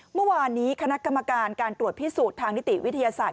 เมื่อวานนี้คณะกรรมการการตรวจพิสูจน์ทางนิติวิทยาศาสต